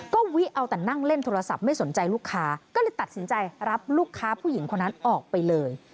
ก็วิเอาแต่นั่งเล่นโทรศัพท์ไม่สนใจลูกค้าก็เลยตัดสินใจรับลูกค้าผู้หญิงคนนั้นออกไปเลย